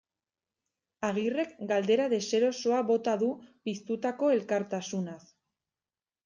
Agirrek galdera deserosoa bota du piztutako elkartasunaz.